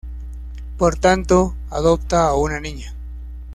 Por tanto, adopta a una niña.